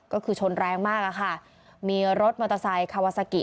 ก็คือชนแรงมากอะค่ะมีรถมอเตอร์ไซค์คาวาซากิ